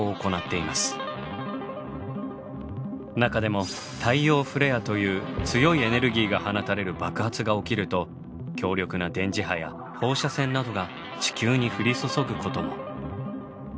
中でも太陽フレアという強いエネルギーが放たれる爆発が起きると強力な電磁波や放射線などが地球に降り注ぐことも。